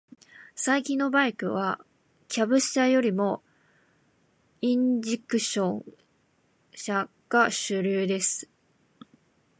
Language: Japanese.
最近のバイクは、キャブ車よりもインジェクション車が主流です。